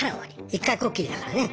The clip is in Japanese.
一回こっきりだからね。